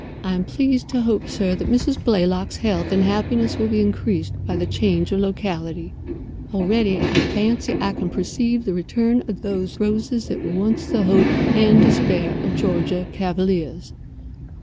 I am pleased to hope, sir, that Mrs. Blaylock's health and happiness will be increased by the change of locality. Already I fancy I can perceive the return of those roses that were once the hope and despair of Georgia cavaliers."